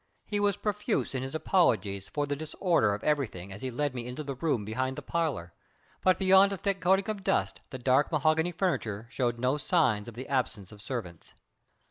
He was profuse in his apologies for the disorder of everything as he led me into the room behind the parlor, but beyond a thick coating of dust the dark mahogany furniture showed no signs of the absence of servants.